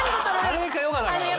カレーかヨガだからね。